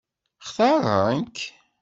Xtaṛent-k?